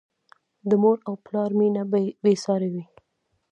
د مور او پلار مینه بې سارې وي.